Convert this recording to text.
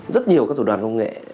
rất nhiều các tổ đoàn công nghệ